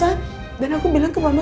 aku buang ilsa dan aku bilang ke mama